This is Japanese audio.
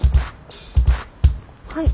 はい。